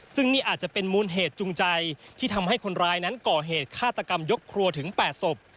ซึ่งนี่อาจจะเป็นมูลเหตุจูงใจที่ทำให้คนร้ายนั้นก่อเหตุฆาตกรรมยกครัวถึง๘ศพ